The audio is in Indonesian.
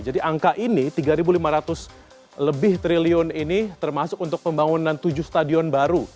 jadi angka ini tiga lima ratus lebih triliun ini termasuk untuk pembangunan tujuh stadion baru